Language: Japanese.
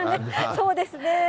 そうですね。